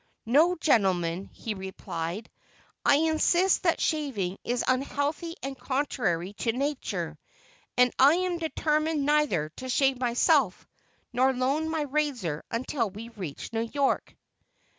"No, gentlemen," he replied; "I insist that shaving is unhealthy and contrary to nature, and I am determined neither to shave myself nor loan my razor until we reach New York."